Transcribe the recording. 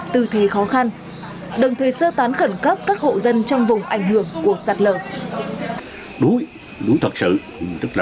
tư thế khó khăn đồng thời sơ tán khẩn cấp các hộ dân trong vùng ảnh hưởng của sạt lở